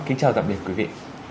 kính chào tạm biệt quý vị